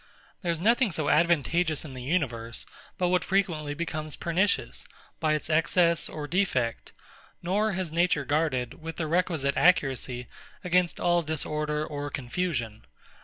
There is nothing so advantageous in the universe, but what frequently becomes pernicious, by its excess or defect; nor has Nature guarded, with the requisite accuracy, against all disorder or confusion.